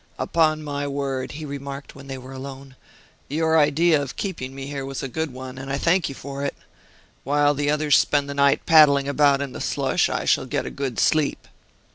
"Upon my word," he remarked, when they were alone, "your idea of keeping me here was a good one, and I thank you for it. While the others spend the night paddling about in the slush, I shall get a good sleep."